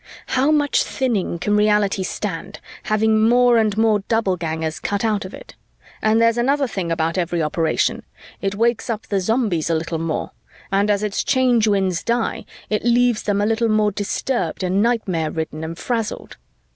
How much thinning can reality stand, having more and more Doublegangers cut out of it? And there's another thing about every operation it wakes up the Zombies a little more, and as its Change Winds die, it leaves them a little more disturbed and nightmare ridden and frazzled.